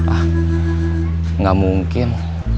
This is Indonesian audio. ah gak mungkin